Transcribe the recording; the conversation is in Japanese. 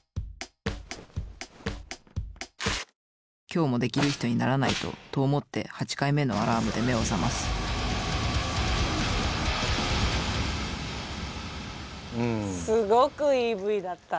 今日も「デキる人にならないと」と思って８回目のアラームで目を覚ますすごくいいＶだった。